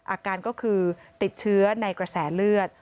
อาการก็คือติดเชื้อในกระแสเลือด